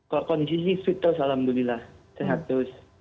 kalau kondisi ini fitur alhamdulillah sehat terus